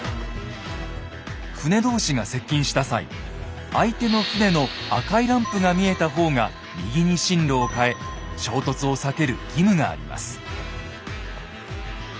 船同士が接近した際相手の船の赤いランプが見えた方が右に進路を変え衝突を避ける義務があります。